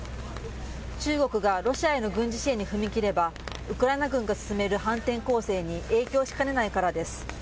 中国がロシアへの軍事支援に踏み切れば、ウクライナ軍が進める反転攻勢に影響しかねないからです。